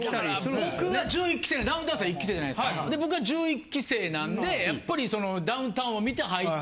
僕が１１期生なんでやっぱりダウンタウンを見て入った。